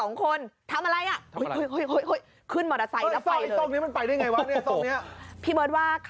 มันกลับมาที่สุดท้ายแล้วมันกลับมาที่สุดท้ายแล้ว